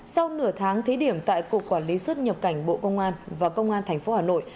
sau nửa tháng thí điểm tại cục quản lý xuất nhập cảnh bộ công an và công an tp hà nội